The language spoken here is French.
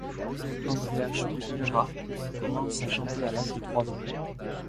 Andrea Šušnjara commence à à chanter à l'âge de trois ans.